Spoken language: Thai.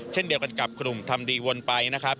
เช่นเดียวกันกับกลุ่มทำดีวนไปนะครับ